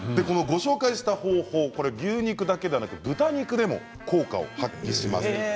このご紹介した方法これ牛肉だけでなく豚肉でも効果を発揮します。